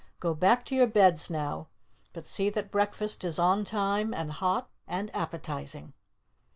"Go back to your beds now, but see that breakfast is on time and hot and appetizing."